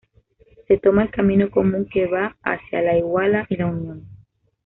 Se toma el camino común que va hacia La Iguala y La Unión.